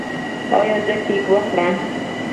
ایا زه کیک وخورم؟